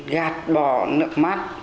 gạt bỏ nước mắt